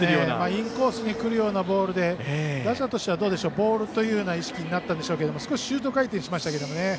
インコースに来るようなボールで打者としてはボールという意識になったんでしょうけど少しシュート回転しましたけどね。